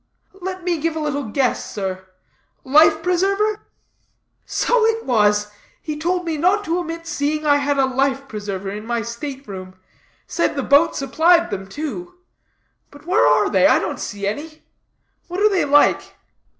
"Let me give a little guess, sir. Life preserver?" "So it was. He told me not to omit seeing I had a life preserver in my state room; said the boat supplied them, too. But where are they? I don't see any. What are they like?"